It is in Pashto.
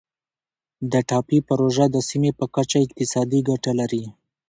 د ټاپي پروژه د سیمې په کچه اقتصادي ګټه لري.